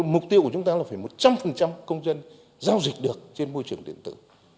mục tiêu của chúng ta là phải một trăm linh công dân giao dịch được trên môi trường điện tử